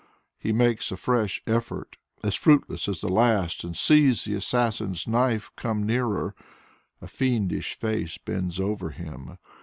He makes a fresh effort as fruitless as the last and sees the assassin's knife come nearer. A fiendish face bends over him.